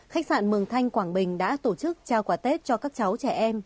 khách sạn mường thanh quảng bình đã tổ chức trao quả tết cho các cháu trẻ em